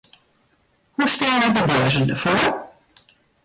Hoe steane de beurzen derfoar?